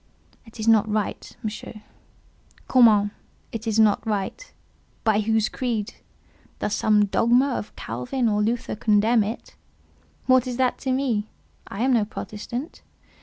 "It is not right, Monsieur." "Comment? it is not right? By whose creed? Does some dogma of Calvin or Luther condemn it? What is that to me? I am no Protestant.